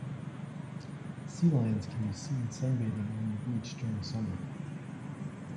Sea lions can be seen sunbathing on the beach during summer.